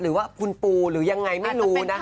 หรือว่าคุณปูหรือยังไงไม่รู้นะคะ